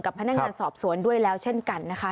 พนักงานสอบสวนด้วยแล้วเช่นกันนะคะ